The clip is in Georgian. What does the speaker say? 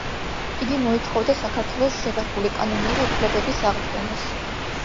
იგი მოითხოვდა საქართველოს შელახული, კანონიერი უფლებების აღდგენას.